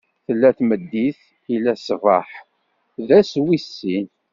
Tella-d tmeddit, illa-d ṣṣbeḥ: d ass wis sin.